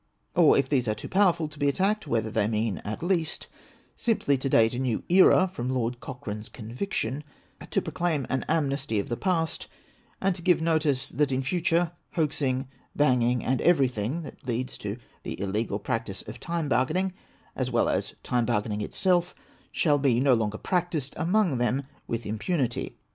Or, if these are too powerful to be attacked, whether they mean at least simply to date a new era from Lord Cochran e's conviction, to proclaim an amnesty of the past, and to give notice that in future hoaxing, banging, and everything that leads to the illegal practice of time bargaining, as well as time bargaining itself, shall be no longer practised among them with im punity